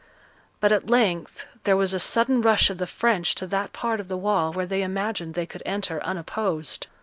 But at length there was a sudden rush of the French to that part of the wall where they imagined they could enter unopposed.